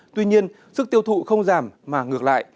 tuy nhiên sức tiêu thụ không giảm mà ngược lại